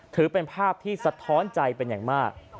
ถือเป็นภาพที่สะท้อนใจเป็นอย่างมาก